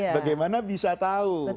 bagaimana bisa tahu